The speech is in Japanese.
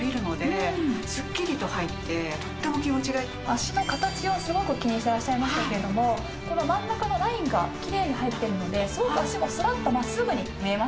脚の形をすごく気にしてらっしゃいましたけれどもこの真ん中のラインがキレイに入っているのですごく脚もスラッとまっすぐに見えますね。